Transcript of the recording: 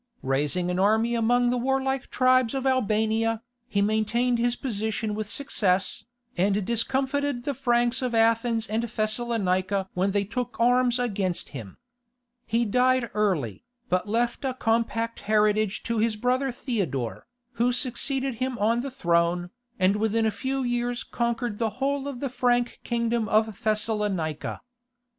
Raising an army among the warlike tribes of Albania, he maintained his position with success, and discomfited the Franks of Athens and Thessalonica when they took arms against him. He died early, but left a compact heritage to his brother Theodore, who succeeded him on the throne, and within a few years conquered the whole of the Frank kingdom of Thessalonica.